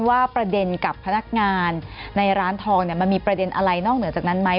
ว่าประเด็นกับพนักงานในร้านทองมันมีประเด็นอะไรนอกเหนือจากนั้นไหม